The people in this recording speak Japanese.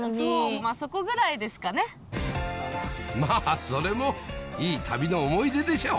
まぁそれもいい旅の思い出でしょ。